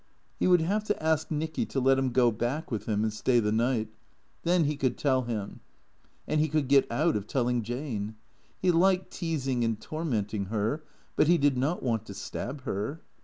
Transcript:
He would have to ask Nicky to let him go back with him and stay the night. Then he could tell him. And he could get out of telling Jane. He liked teasing and tormenting her, but he did not want to stab her.